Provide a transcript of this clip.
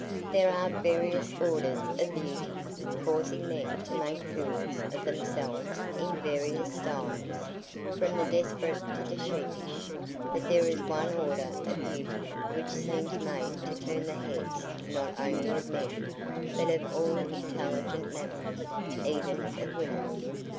There are various orders of beauty, causing men to make fools of themselves in various styles, from the desperate to the sheepish; but there is one order of beauty which seems made to turn the heads not only of men, but of all intelligent mammals, even of women.